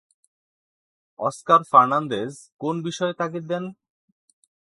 Oscar Fernandes কোন বিষয়ে তাগিদ দেন?